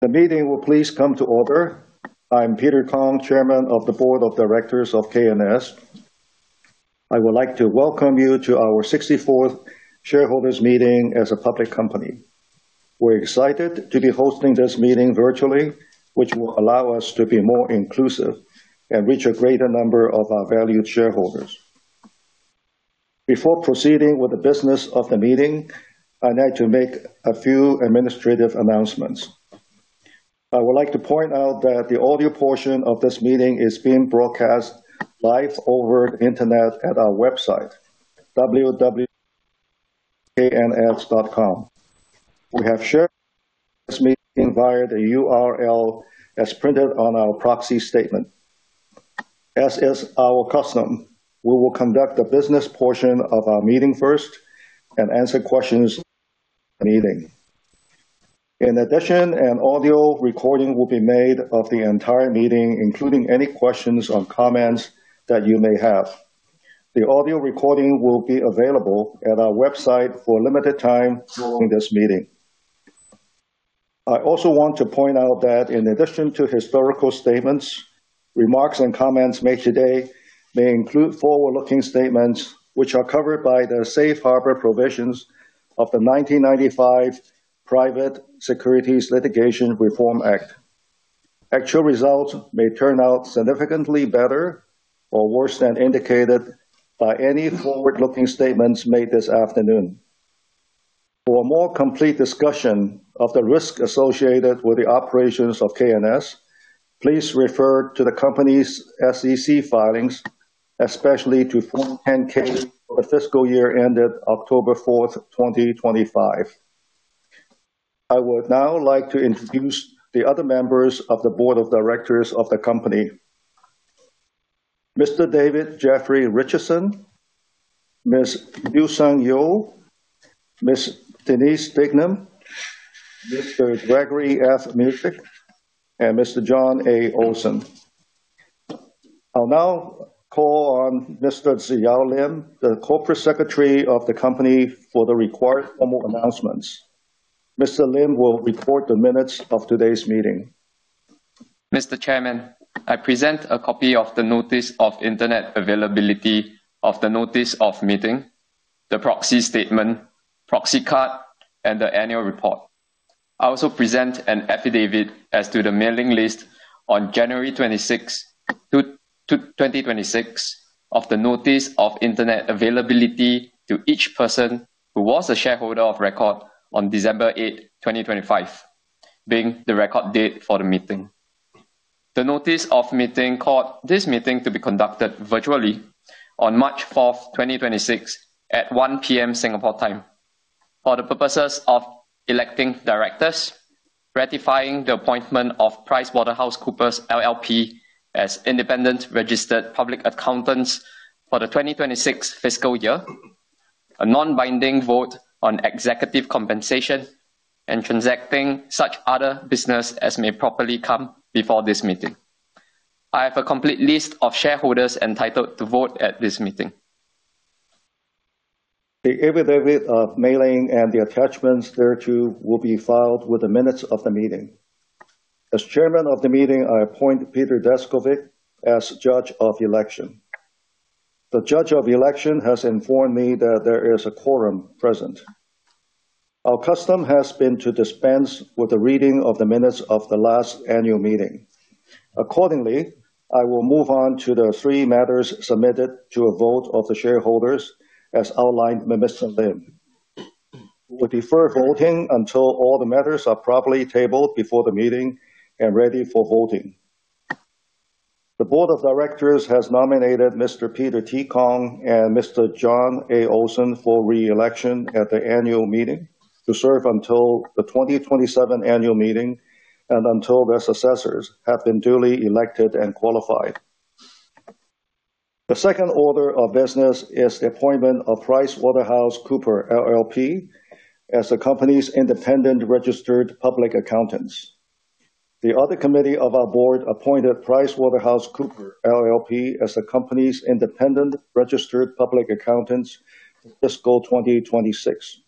The meeting will please come to order. I'm Peter Kong, Chairman of the Board of Directors of K&S. I would like to welcome you to our 64th shareholders meeting as a public company. We're excited to be hosting this meeting virtually, which will allow us to be more inclusive and reach a greater number of our valued shareholders. Before proceeding with the business of the meeting, I'd like to make a few administrative announcements. I would like to point out that the audio portion of this meeting is being broadcast live over internet at our website, www.kns.com. We have shared this meeting via the URL as printed on our proxy statement. As is our custom, we will conduct the business portion of our meeting first and answer questions meeting. An audio recording will be made of the entire meeting, including any questions or comments that you may have. The audio recording will be available at our website for a limited time following this meeting. I also want to point out that in addition to historical statements, remarks and comments made today may include forward-looking statements which are covered by the safe harbor provisions of the Private Securities Litigation Reform Act of 1995. Actual results may turn out significantly better or worse than indicated by any forward-looking statements made this afternoon. For a more complete discussion of the risk associated with the operations of K&S, please refer to the company's SEC filings, especially to Form 10-K for the fiscal year ended October 4th, 2025. I would now like to introduce the other members of the board of directors of the company. Mr. David Jeffrey Richardson, Ms. Fusen Chen, Ms. Denise Dignam, Mr. Gregory F. Milzcik, and Mr. Jon A. Olson. I'll now call on Mr. Zi Yao Lim, the Corporate Secretary of the company for the required formal announcements. Mr. Lim will report the minutes of today's meeting. Mr. Chairman, I present a copy of the notice of internet availability of the notice of meeting, the proxy statement, proxy card, and the annual report. I also present an affidavit as to the mailing list on January 26th, 2026 of the notice of internet availability to each person who was a shareholder of record on December 8th, 2025, being the record date for the meeting. The notice of meeting called this meeting to be conducted virtually on March 4th, 2026 at 1:00 P.M. Singapore time. For the purposes of electing directors, ratifying the appointment of PricewaterhouseCoopers LLP as independent registered public accountants for the 2026 fiscal year. A non-binding vote on executive compensation and transacting such other business as may properly come before this meeting. I have a complete list of shareholders entitled to vote at this meeting. The affidavit of mailing and the attachments thereto will be filed with the minutes of the meeting. As Chairman of the meeting, I appoint Peter Deskovic as Judge of Election. The Judge of Election has informed me that there is a quorum present. Our custom has been to dispense with the reading of the minutes of the last annual meeting. Accordingly, I will move on to the three matters submitted to a vote of the shareholders as outlined by Mr. Lim. We defer voting until all the matters are properly tabled before the meeting and ready for voting. The board of directors has nominated Mr. Peter T. Kong and Mr. Jon A. Olson for re-election at the annual meeting to serve until the 2027 annual meeting and until their successors have been duly elected and qualified. The second order of business is the appointment of PricewaterhouseCoopers LLP as the company's independent registered public accountants. The audit committee of our board appointed PricewaterhouseCoopers LLP as the company's independent registered public accountants fiscal 2026.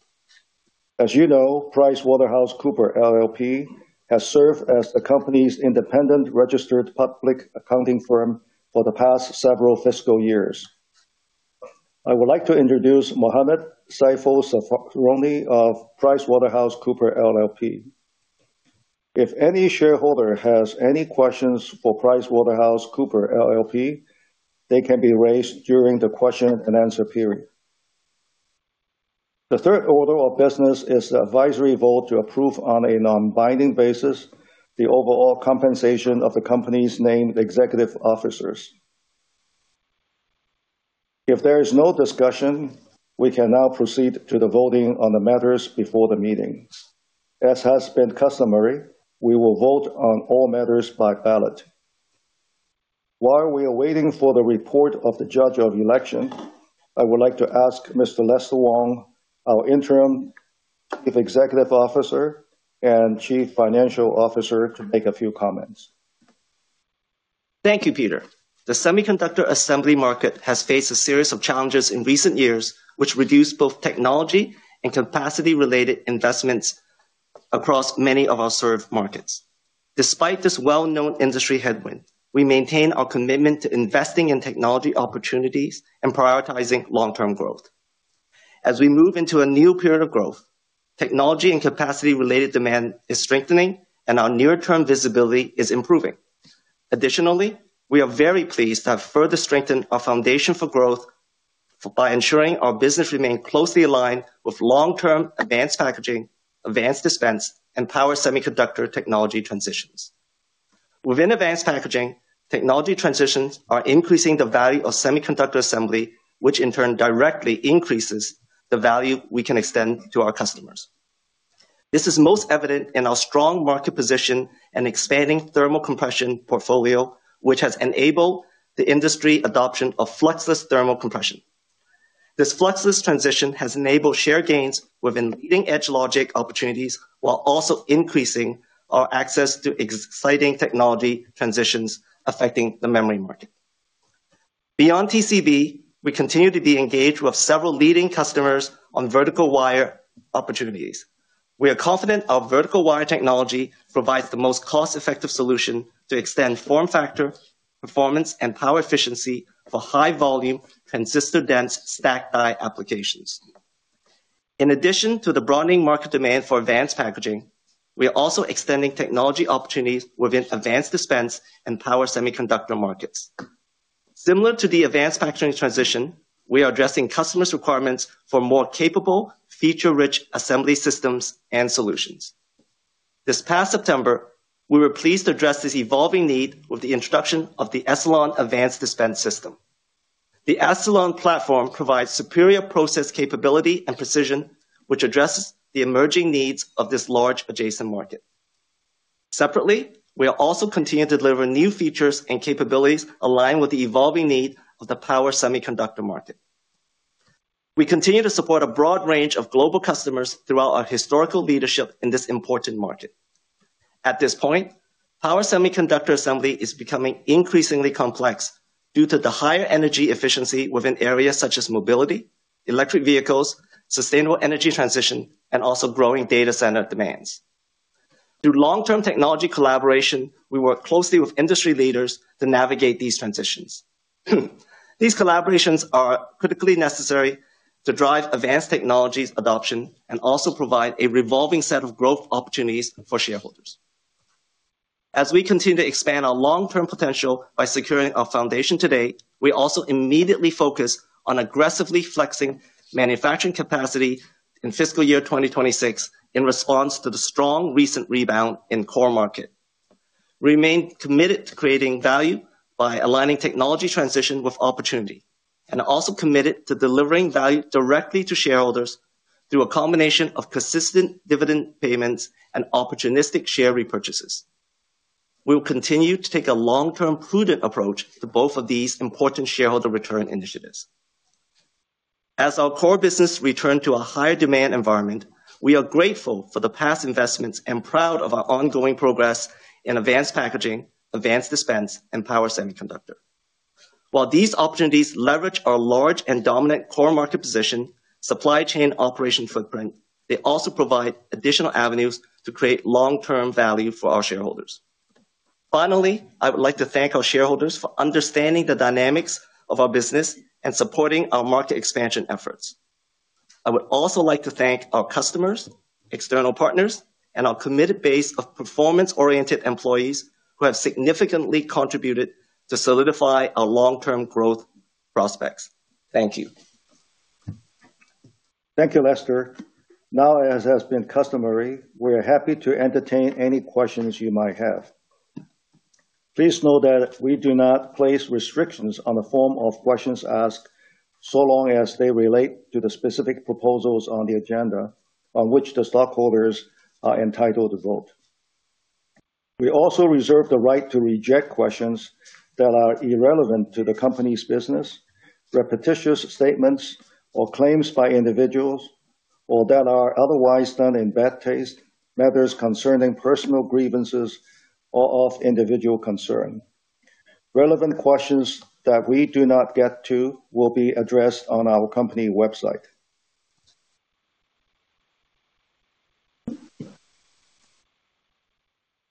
As you know, PricewaterhouseCoopers LLP has served as the company's independent registered public accounting firm for the past several fiscal years. I would like to introduce Mohamad Saiful Saroni of PricewaterhouseCoopers LLP. If any shareholder has any questions for PricewaterhouseCoopers LLP, they can be raised during the question and answer period. The third order of business is the advisory vote to approve on a non-binding basis the overall compensation of the company's named executive officers. If there is no discussion, we can now proceed to the voting on the matters before the meetings. As has been customary, we will vote on all matters by ballot. While we are waiting for the report of the judge of election, I would like to ask Mr. Lester Wong, our Interim Chief Executive Officer and Chief Financial Officer, to make a few comments. Thank you, Peter. The semiconductor assembly market has faced a series of challenges in recent years, which reduced both technology and capacity related investments across many of our served markets. Despite this well-known industry headwind, we maintain our commitment to investing in technology opportunities and prioritizing long-term growth. As we move into a new period of growth, technology and capacity related demand is strengthening, and our near term visibility is improving. Additionally, we are very pleased to have further strengthened our foundation for growth by ensuring our business remain closely aligned with long-term advanced packaging, advanced dispense, and power semiconductor technology transitions. Within advanced packaging, technology transitions are increasing the value of semiconductor assembly, which in turn directly increases the value we can extend to our customers. This is most evident in our strong market position and expanding thermal compression portfolio, which has enabled the industry adoption of fluxless thermal compression. This fluxless transition has enabled share gains within leading-edge logic opportunities, while also increasing our access to exciting technology transitions affecting the memory market. Beyond TCB, we continue to be engaged with several leading customers on vertical wire opportunities. We are confident our vertical wire technology provides the most cost-effective solution to extend form factor, performance, and power efficiency for high volume, transistor dense, stacked die applications. In addition to the broadening market demand for advanced packaging, we are also extending technology opportunities within advanced dispense and power semiconductor markets. Similar to the advanced packaging transition, we are addressing customers requirements for more capable, feature-rich assembly systems and solutions. This past September, we were pleased to address this evolving need with the introduction of the ACELON Advanced Dispense System. The ACELON platform provides superior process capability and precision, which addresses the emerging needs of this large adjacent market. Separately, we are also continuing to deliver new features and capabilities aligned with the evolving need of the power semiconductor market. We continue to support a broad range of global customers throughout our historical leadership in this important market. At this point, power semiconductor assembly is becoming increasingly complex due to the higher energy efficiency within areas such as mobility, electric vehicles, sustainable energy transition, and also growing data center demands. Through long-term technology collaboration, we work closely with industry leaders to navigate these transitions. These collaborations are critically necessary to drive advanced technologies adoption and also provide a revolving set of growth opportunities for shareholders. As we continue to expand our long-term potential by securing our foundation today, we also immediately focus on aggressively flexing manufacturing capacity in fiscal year 2026 in response to the strong recent rebound in core market. Remain committed to creating value by aligning technology transition with opportunity, and also committed to delivering value directly to shareholders through a combination of consistent dividend payments and opportunistic share repurchases. We will continue to take a long-term prudent approach to both of these important shareholder return initiatives. As our core business return to a higher demand environment, we are grateful for the past investments and proud of our ongoing progress in advanced packaging, advanced dispense, and power semiconductor. While these opportunities leverage our large and dominant core market position, supply chain operation footprint, they also provide additional avenues to create long-term value for our shareholders. Finally, I would like to thank our shareholders for understanding the dynamics of our business and supporting our market expansion efforts. I would also like to thank our customers, external partners, and our committed base of performance-oriented employees who have significantly contributed to solidify our long-term growth prospects. Thank you. Thank you, Lester. As has been customary, we're happy to entertain any questions you might have. Please know that we do not place restrictions on the form of questions asked, so long as they relate to the specific proposals on the agenda on which the stockholders are entitled to vote. We also reserve the right to reject questions that are irrelevant to the company's business, repetitious statements or claims by individuals, or that are otherwise done in bad taste, matters concerning personal grievances, or of individual concern. Relevant questions that we do not get to will be addressed on our company website.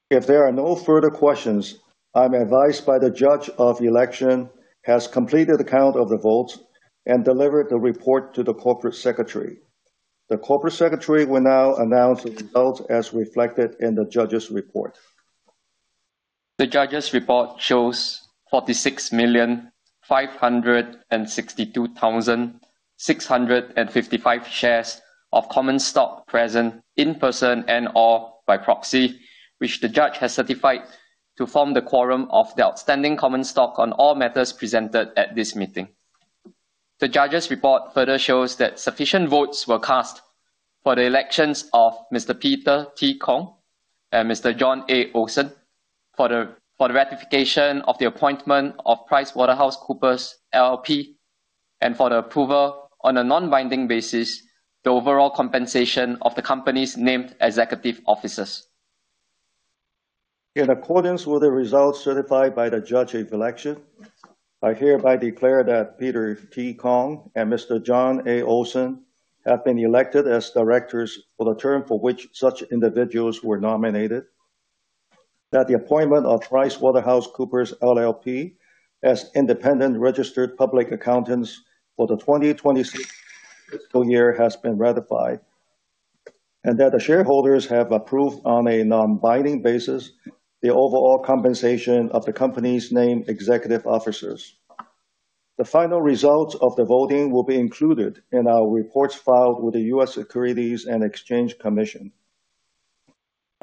If there are no further questions, I'm advised by the judge of election has completed the count of the votes and delivered the report to the corporate secretary. The corporate secretary will now announce the results as reflected in the judge's report. The judge's report shows 46,562,655 shares of common stock present in person and/or by proxy, which the judge has certified to form the quorum of the outstanding common stock on all matters presented at this meeting. The judge's report further shows that sufficient votes were cast for the elections of Mr. Peter T. Kong and Mr. Jon A. Olson for the ratification of the appointment of PricewaterhouseCoopers LLP, and for the approval on a non-binding basis the overall compensation of the company's named executive officers. In accordance with the results certified by the judge of election, I hereby declare that Peter T. Kong and Mr. Jon A. Olson have been elected as directors for the term for which such individuals were nominated. That the appointment of PricewaterhouseCoopers LLP as independent registered public accountants for the 2026 fiscal year has been ratified. The shareholders have approved on a non-binding basis the overall compensation of the company's named executive officers. The final results of the voting will be included in our reports filed with the U.S. Securities and Exchange Commission.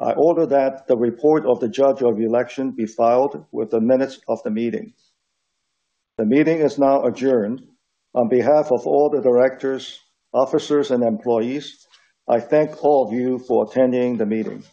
I order that the report of the judge of election be filed with the minutes of the meeting. The meeting is now adjourned. On behalf of all the directors, officers, and employees, I thank all of you for attending the meeting.